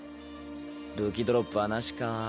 武器ドロップはなしかぁ。